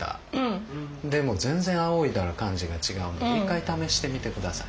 でも全然あおいだら感じが違うんで一回試してみて下さい。